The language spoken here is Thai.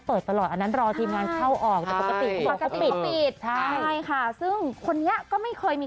เปิดตลอดอันนั้นรอทีมงานเข้าออกแต่ปกติเขาปิดใช่ค่ะซึ่งคนนี้ก็ไม่เคยมี